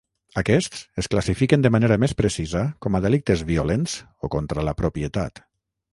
Aquests es classifiquen de manera més precisa com a delictes violents o contra la propietat.